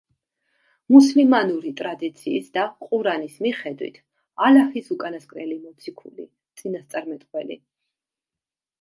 მუსლიმანური ტრადიციის და ყურანის მიხედვით, ალაჰის უკანასკნელი მოციქული, წინასწარმეტყველი.